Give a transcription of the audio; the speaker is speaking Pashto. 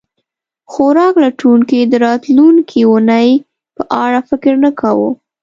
خوراک لټونکي د راتلونکې اوونۍ په اړه فکر نه کاوه.